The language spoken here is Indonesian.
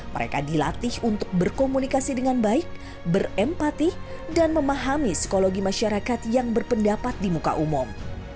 mereka dilatih untuk berkomunikasi dengan baik berempati dan memahami psikologi masyarakat yang berpendapat di muka umum